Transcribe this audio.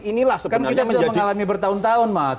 inilah kan kita sudah mengalami bertahun tahun mas